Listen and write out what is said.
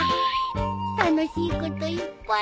楽しいこといっぱい。